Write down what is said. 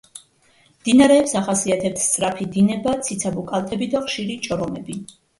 მდინარეებს ახასიათებთ სწრაფი დინება, ციცაბო კალთები და ხშირი ჭორომები.